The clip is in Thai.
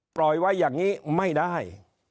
ปล่อยไว้อย่างนี้ไม่ได้